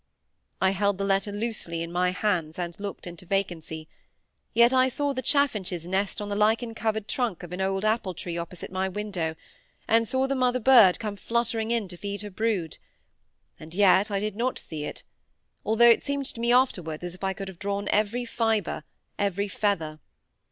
I held the letter loosely in my hands, and looked into vacancy, yet I saw the chaffinch's nest on the lichen covered trunk of an old apple tree opposite my window, and saw the mother bird come fluttering in to feed her brood,—and yet I did not see it, although it seemed to me afterwards as if I could have drawn every fibre, every feather.